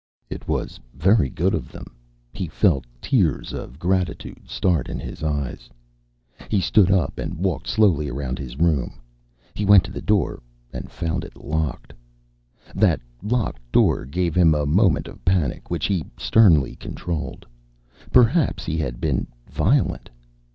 It was very good of them; he felt tears of gratitude start in his eyes. He stood up and walked slowly around his small room. He went to the door and found it locked. That locked door gave him a moment of panic which he sternly controlled. Perhaps he had been violent.